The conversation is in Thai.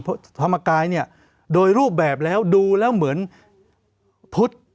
ธรรมกายเนี่ยโดยรูปแบบแล้วดูแล้วเหมือนพุทธ